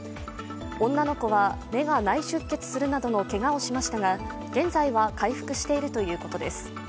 女の子は目が内出血するなどのけがをしましたが、現在は回復しているということです。